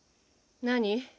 何？